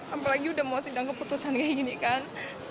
apalagi udah mau sidang keputusan kayak gini kan